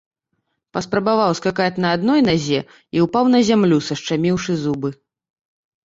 Паспрабаваў скакаць на адной назе і ўпаў на зямлю, сашчаміўшы зубы.